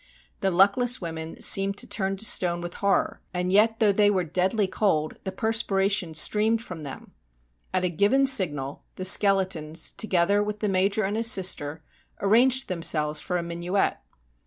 The luckless women seemed to turn to stone with horror, and yet though they were deadly cold the perspiration streamed from them. At a given signal the skeletons, together with the Major and his sister, arranged themselves for a minuet.